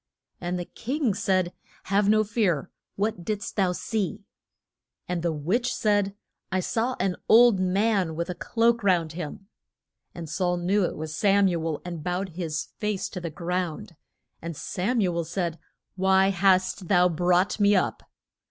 And the king said, Have no fear. What did'st thou see? And the witch said, I saw an old man with a cloak round him. And Saul knew it was Sam u el, and bowed his face to the ground. And Sam u el said, Why hast thou brought me up?